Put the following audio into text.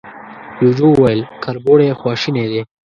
جوجو وويل، کربوړی خواشينی دی.